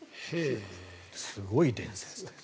すごい伝説です。